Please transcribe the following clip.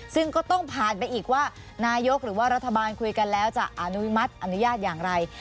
ซึ่งก็ต้องผ่านไปอีกว่านายกหรือว่ารัฐบาลคุยกันแล้วจะอนุมัติอนุญาตอย่างไร